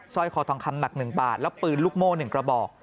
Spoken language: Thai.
ร้อยคอทองคำหนัก๑บาทและปืนลูกโม่๑กระบอก